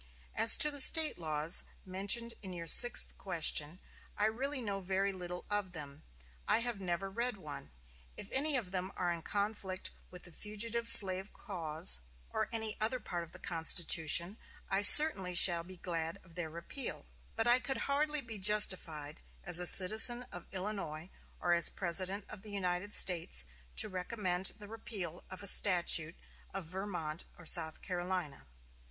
As to the State laws, mentioned in your sixth question, I really know very little of them. I never have read one. If any of them are in conflict with the fugitive slave clause, or any other part of the Constitution, I certainly shall be glad of their repeal; but I could hardly be justified, as a citizen of Illinois, or as President of the United States, to recommend the repeal of a statute of Vermont or South Carolina."